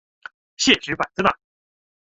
现实摆在哪里！